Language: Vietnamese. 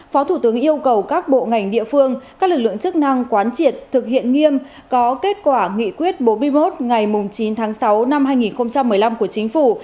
phó thủ tướng yêu cầu các bộ ngành địa phương các lực lượng chức năng quán triệt thực hiện nghiêm có kết quả nghị quyết bốn mươi một ngày chín tháng sáu năm hai nghìn một mươi năm của chính phủ